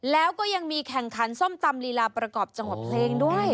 แล้วก็ยังมีแข่งขันส้มตำลีลาประกอบจังหวัดเพลงด้วย